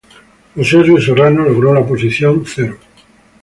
Osorio Serrano logró la posición No.